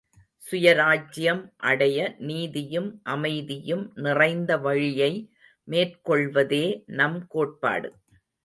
சுயராஜ்யம் அடைய நீதியும் அமைதியும் நிறைந்த வழியை மேற்கொள்வதே நம் கோட்பாடு.